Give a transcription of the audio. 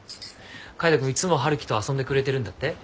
海斗君いつも春樹と遊んでくれてるんだって？